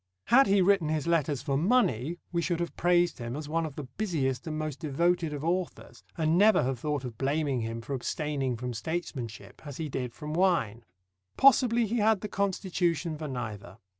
Had he written his letters for money we should have praised him as one of the busiest and most devoted of authors, and never have thought of blaming him for abstaining from statesmanship as he did from wine. Possibly he had the constitution for neither.